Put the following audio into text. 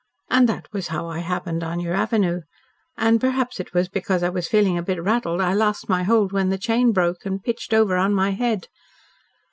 And that was how I happened on your avenue. And perhaps it was because I was feeling a bit rattled I lost my hold when the chain broke, and pitched over on my head.